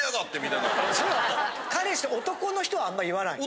彼氏男の人はあんま言わない？